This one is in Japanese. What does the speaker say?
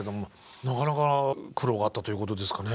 なかなか苦労があったということですかね